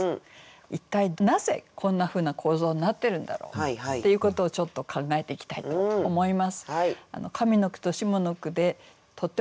一体なぜこんなふうな構造になってるんだろうっていうことをちょっと考えていきたいと思います。